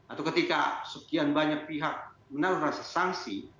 atau ketika sekian banyak pihak menaruh rasa sanksi